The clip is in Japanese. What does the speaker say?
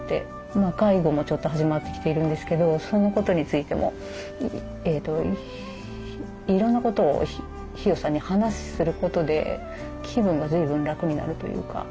今介護もちょっと始まってきているんですけどそのことについてもいろんなことをひよさに話することで気分がずいぶん楽になるというか。